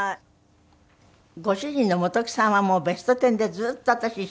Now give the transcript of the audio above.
ご主人の本木さんは『ベストテン』でずっと私一緒でしたから。